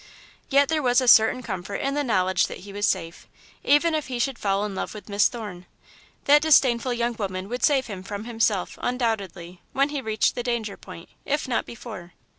Yet there was a certain comfort in the knowledge that he was safe, even if he should fall in love with Miss Thorne. That disdainful young woman would save him from himself, undoubtedly, when he reached the danger point, if not before.